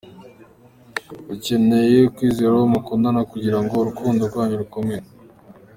Ukeneye kwizera uwo mukundana kugira ngo urukundo rwanyu rukomere.